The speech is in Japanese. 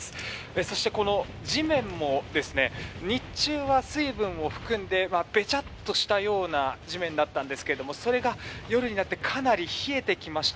そして、地面も日中は水分を含んでべチャッとしたような地面だったんですがそれが、夜になってかなり冷えてきました。